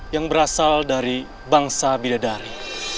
yang berasal dari bangsa bidadari